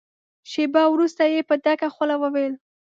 شېبه وروسته يې په ډکه خوله وويل.